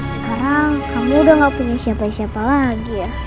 sekarang kamu udah gak punya siapa siapa lagi ya